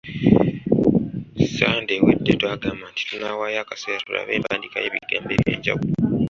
Ssande ewedde twagamba nti tunaawaayo akaseera tulabe empandiika y’ebigambo eby’enjawulo.